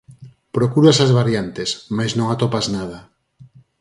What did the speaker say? Procuras as variantes, mais non atopas nada.